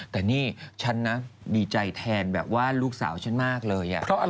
แต่นี่ฉันนะดีใจแทนแบบว่าลูกสาวฉันมากเลย